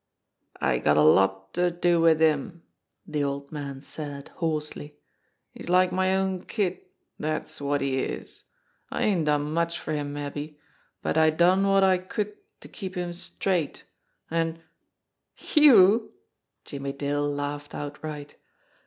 "I got a lot to do wid him," the old man said hoarsely. "He's like my own kid, dat's wot he is. I ain't done much for him mabbe, but I done wot I could to keep him straight, an' " "You!" Jimmie Dale laughed outright.